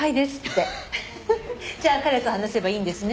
フフフ「じゃあ彼と話せばいいんですね」